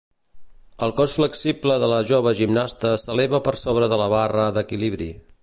El cos flexible de la jove gimnasta s'eleva per sobre de la barra d'equilibri.